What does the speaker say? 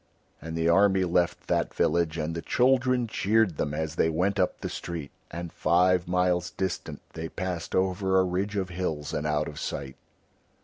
And the army left that village and the children cheered them as they went up the street, and five miles distant they passed over a ridge of hills and out of sight.